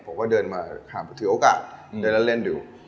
ผมก็เดินมาถือโอกาสเดินเล่นอยู่